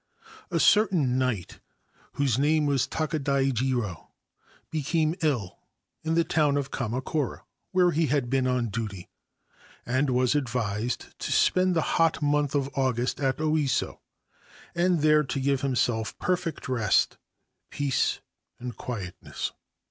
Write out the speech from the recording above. a certain knight, whost name was Takadai Jiro, became ill in the town 01 Kamakura, where he had been on duty, and was advisee to spend the hot month of August at Oiso, and there tc give himself perfect rest, peace, and quietness.